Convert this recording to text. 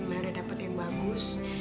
maya udah dapet yang bagus